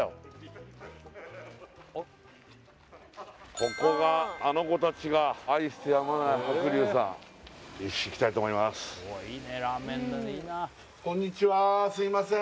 ここがあの子たちが愛してやまない白龍さんすいません